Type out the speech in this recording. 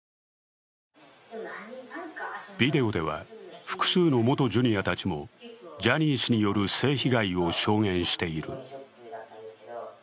ビデオでは、複数の元ジュニアたちもジャニー氏による性被害を証言している。